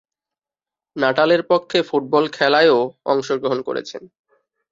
নাটালের পক্ষে ফুটবল খেলায়ও অংশগ্রহণ করেছেন।